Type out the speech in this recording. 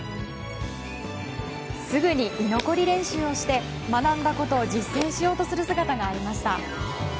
すぐに居残り練習をして学んだことを実践しようとする姿がありました。